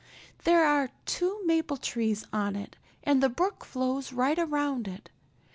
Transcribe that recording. There are two maple trees on it and the brook flows right around it.